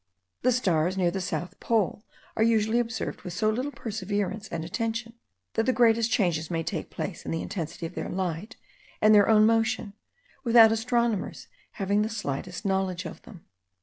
The stars near the south pole are usually observed with so little perseverance and attention, that the greatest changes may take place in the intensity of their light and their own motion, without astronomers having the slightest knowledge of them.